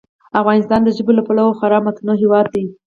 افغانستان د ژبو له پلوه خورا متنوع هېواد دی.